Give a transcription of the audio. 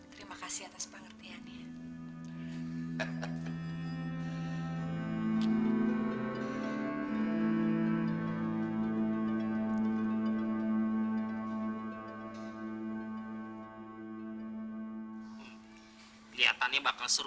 terima kasih atas pengertiannya